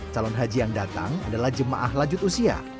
calon haji yang datang adalah jemaah lanjut usia